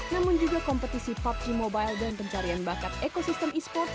namun juga kompetisi pubg mobile dan pencarian bakat ekosistem e sports